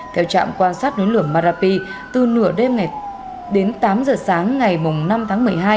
theo trạm quan sát núi lửa marapi từ nửa đêm đến tám giờ sáng ngày năm tháng một mươi hai